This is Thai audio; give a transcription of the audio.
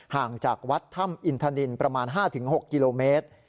ห่างจากวัดถ้ำอินทนินประมาณ๕๖กิโลเมตร